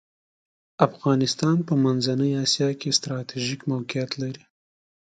افغانستان په منځنۍ اسیا کې ستراتیژیک موقیعت لری .